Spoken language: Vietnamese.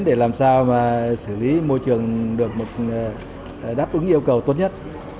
để làm sao mà xử lý môi trường được đáp ứng yêu cầu tốt nhất